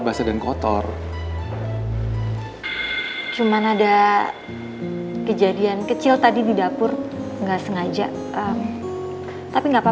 paling b organic alicia bukan évinkan